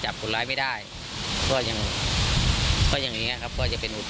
จับคนร้ายไม่ได้ก็ยังก็อย่างนี้ครับก็จะเป็นอุท